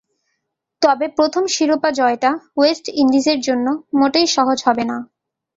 তবে প্রথম শিরোপা জয়টা ওয়েস্ট ইন্ডিজের জন্য মোটেই সহজ হবে না।